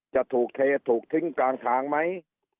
จะถูกเทถูกทิ้งกลางทางไหม